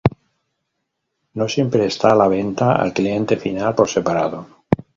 No siempre está a la venta al cliente final por separado.